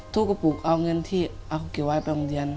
ทุกกระปุกเอาเรื่องเงอที่เก็บไปอนดิน